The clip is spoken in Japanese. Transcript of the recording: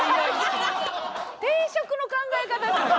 定食の考え方じゃないですか！